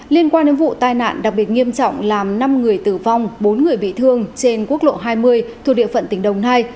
liên quan đến vụ tai nạn đặc biệt nghiêm trọng làm năm người tử vong bốn người bị thương trên quốc lộ hai mươi thuộc địa phận tỉnh đồng nai